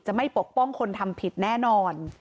ไม่ปกป้องคนทำผิดแน่นอน